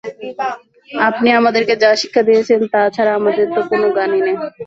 আপনি আমাদেরকে যা শিক্ষা দিয়েছেন তা ছাড়া আমাদের তো কোন জ্ঞানই নেই।